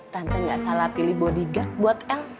tante gak salah pilih bodyguard buat el